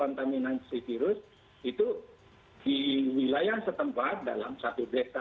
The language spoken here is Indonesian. kontaminasi virus itu di wilayah setempat dalam satu desa